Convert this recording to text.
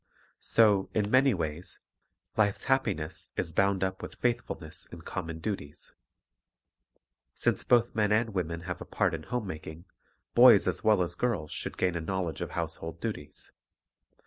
So, in many ways, life's happi ness is bound up with faithfulness in common duties. Since both men and women have a part in home making, boys as well as girls should gain a knowledge of household duties.